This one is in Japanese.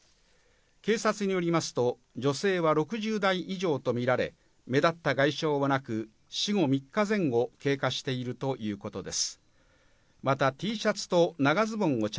警察によりますと、女性は６０代以上とみられ、目立った外傷はなく、死後３日前後経過しているということです。